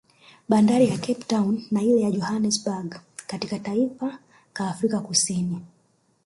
Bandari ya Cape town na ile ya Johanesberg katika taifa ka Afrika Kusini